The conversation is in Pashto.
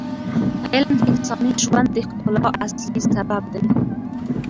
علم د انساني ژوند د ښکلا اصلي سبب دی.